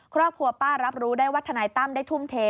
ครอบครัวป้ารับรู้ได้ว่าทนายตั้มได้ทุ่มเท